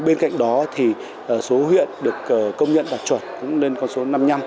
bên cạnh đó thì số huyện được công nhận đạt chuẩn cũng lên con số năm mươi năm